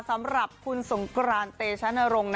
สำหรับคุณสงกรานเตชะนรงค์